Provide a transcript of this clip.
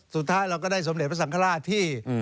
สุดท้ายเราก็ได้สมเด็จพระสังฆราชที่